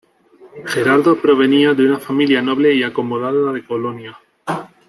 Gerardo provenía de una familia noble y acomodada de Colonia.